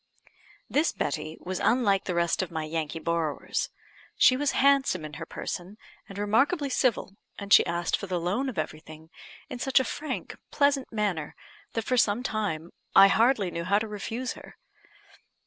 This Betty was unlike the rest of my Yankee borrowers; she was handsome in her person, and remarkably civil, and she asked for the loan of everything in such a frank, pleasant manner, that for some time I hardly knew how to refuse her.